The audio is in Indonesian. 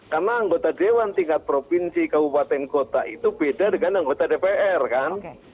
karena anggota dewan tingkat provinsi kabupaten kota itu beda dengan anggota dpr kan